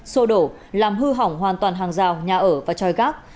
xô đổ làm hư hỏng hoàn toàn hàng rào nhà ở và tròi gác